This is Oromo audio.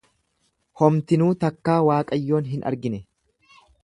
Homtinuu takkaa Waaqayyoon hin argine.